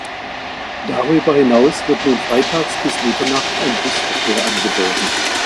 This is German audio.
Darüber hinaus wird nun freitags bis Mitternacht ein Busverkehr angeboten.